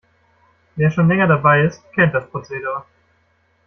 Wer schon länger dabei ist, kennt das Prozedere.